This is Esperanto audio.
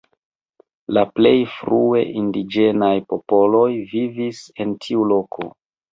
La plej frue indiĝenaj popoloj vivis en tiu loko.